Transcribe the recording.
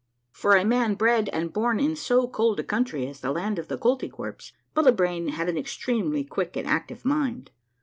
For a man bred and born in so cold a countr}^ as the land of the Koltykwerps, Bullibrain had an extremely quick and active mind.